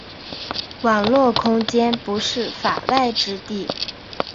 网络空间不是“法外之地”。